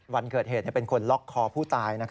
วันเกิดเหตุเป็นคนล็อกคอผู้ตาย